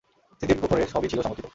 স্মৃতির কুঠোরে সবই ছিল সংরক্ষিত।